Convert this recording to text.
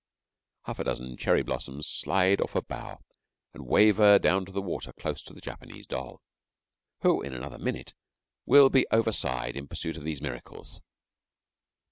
Half a dozen cherry blossoms slide off a bough, and waver down to the water close to the Japanese doll, who in another minute will be overside in pursuit of these miracles.